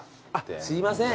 すいません。